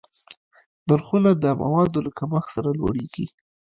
نرخونه د موادو له کمښت سره لوړېږي.